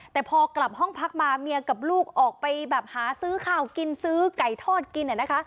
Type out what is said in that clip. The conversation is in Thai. แต่พอกลับห้องพักมาเมียกับลูกออกไปแบบหาซื้อข้าวกินซื้อไก่ทอดกินนะคะ